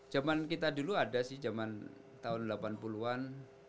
zaman kita dulu ada sih zaman tahun delapan puluh an